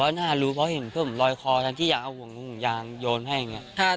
น่ารู้เพราะเห็นเพื่อนผมลอยคอทั้งที่อยากเอาห่วงห่วงยางโยนให้อย่างนี้